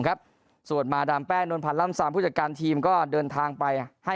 ครับส่วนมาดามแป้งนวลพันธ์ล่ำซามผู้จัดการทีมก็เดินทางไปให้